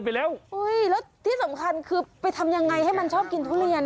ไปแล้วแล้วที่สำคัญคือไปทำยังไงให้มันชอบกินทุเรียน